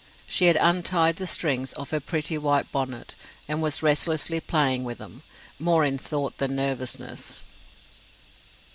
She had untied the strings of her pretty white bonnet, and was restlessly playing with them, more in thought than nervousness.